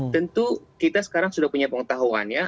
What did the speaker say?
tentu kita sekarang sudah punya pengetahuan ya